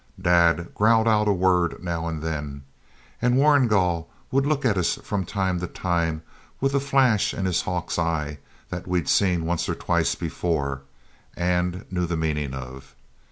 Dad growled out a word now and then, and Warrigal would look at us from time to time with a flash in his hawk's eyes that we'd seen once or twice before and knew the meaning of.